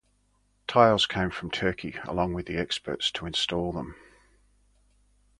Tiles came from Turkey along with the experts to install them.